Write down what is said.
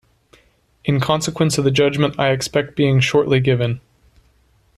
In consequence of the judgment I expect being shortly given.